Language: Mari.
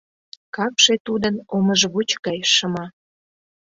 Капше тудын омыжвуч гай шыма.